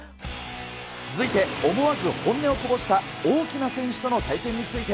続いて思わず本音をこぼした大きな選手との対戦について。